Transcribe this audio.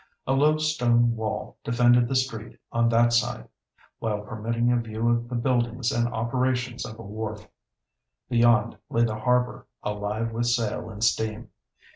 A low stone wall defended the street on that side, while permitting a view of the buildings and operations of a wharf. Beyond lay the harbour alive with sail and steam.